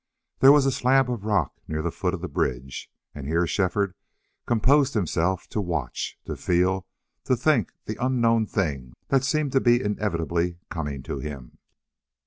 There was a slab of rock near the foot of the bridge, and here Shefford composed himself to watch, to feel, to think the unknown thing that seemed to be inevitably coming to him.